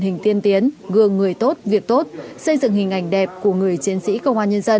hình tiên tiến gương người tốt việc tốt xây dựng hình ảnh đẹp của người chiến sĩ công an nhân dân